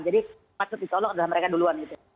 jadi maksudnya insya allah adalah mereka duluan